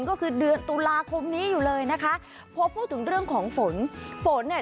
ก็คือเดือนตุลาคมนี้อยู่เลยนะคะพอพูดถึงเรื่องของฝนฝนเนี่ย